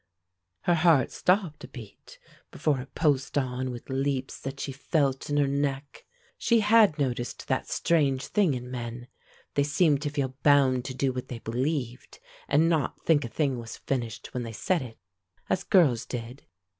Her heart stopped a beat before it pulsed on with leaps that she felt in her neck. She had noticed that strange thing in men; they seemed to feel bound to do what they believed, and not think a thing was finished when they said it, as girls did.